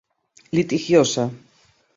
litigiosa